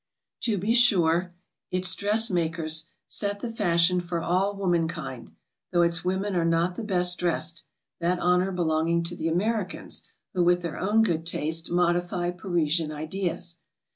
To be sure, its dressmakers set the fashion for all woman I kind, though its women are not the best dressed, that honor belonging to the Americans, who with their own good taste modify Parisian ideas.